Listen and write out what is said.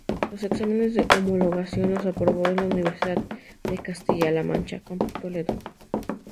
Los exámenes de homologación los aprobó en la Universidad de Castilla-La Mancha, campus Toledo.